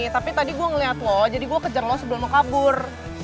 tapi tadi gue ngeliat wah jadi gue kejar lo sebelum mau kabur